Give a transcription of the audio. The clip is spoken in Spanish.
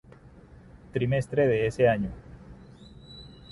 Trimestre de ese año.